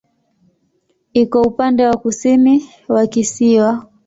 Iko upande wa kusini wa kisiwa.